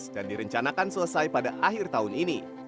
dan direncanakan selesai pada akhir tahun ini